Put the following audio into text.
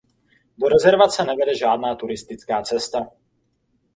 Do rezervace nevede žádná turistická cesta.